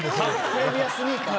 プレミアスニーカー？